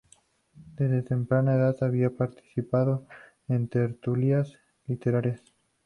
Desde temprana edad había participado en tertulias literarias.